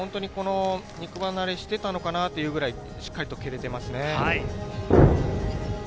肉離れしてたのかなっていうぐらい、しっかりと蹴れていますね。